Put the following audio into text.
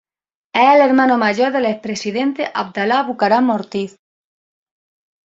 Es el hermano mayor del expresidente Abdalá Bucaram Ortiz.